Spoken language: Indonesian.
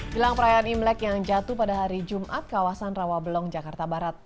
jelang perayaan imlek yang jatuh pada hari jumat kawasan rawabelong jakarta barat